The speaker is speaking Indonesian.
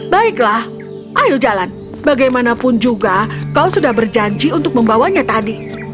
baiklah ayo jalan bagaimanapun juga kau sudah berjanji untuk membawanya tadi